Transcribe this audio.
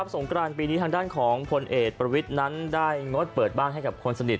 สงกรานปีนี้ทางด้านของพลเอกประวิทย์นั้นได้งดเปิดบ้านให้กับคนสนิท